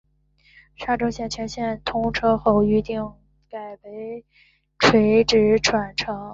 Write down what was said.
沙中线全线通车后预定改为垂直转乘。